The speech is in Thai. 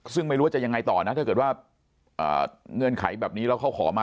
ซึ่งไม่รู้ว่าจะยังไงต่อนะถ้าเกิดว่าเงื่อนไขแบบนี้แล้วเขาขอมา